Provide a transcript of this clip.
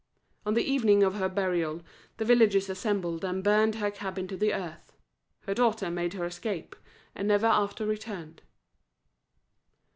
On the evening of her burial, the villagers assembled and burned her cabin to the earth. Her daughter made her escape, and never after returned.